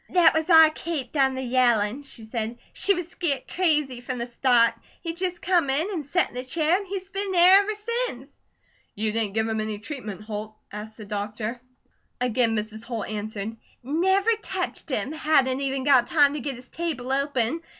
"That was our Kate done the yellin'," she said. "She was scart crazy from the start. He jest come in, and set in the chair and he's been there ever since." "You didn't give him any treatment, Holt?" asked the doctor. Again Mrs. Holt answered: "Never touched him! Hadn't even got time to get his table open.